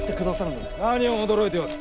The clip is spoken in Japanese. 何を驚いておる。